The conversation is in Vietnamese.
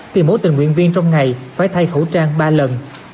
thì mỗi tình nguyện viên trong ngày phải thay khẩu trang ba lần